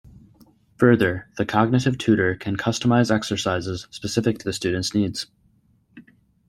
Further, the cognitive tutor can customize exercises specific to the student's needs.